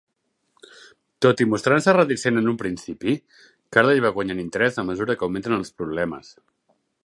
Tot i mostrar-se reticent en un principi, Carla hi va guanyant interès a mesura que augmenten els problemes.